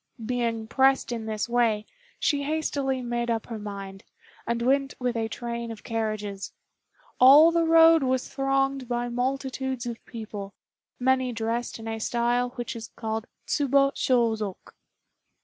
Being pressed in this way, she hastily made up her mind, and went with a train of carriages. All the road was thronged by multitudes of people, many dressed in a style which is called Tsubo Shôzok.